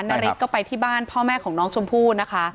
นาริสก็ไปที่บ้านพ่อแม่ของน้องชมพู่นะคะ